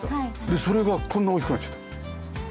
でそれがこんな大きくなっちゃった。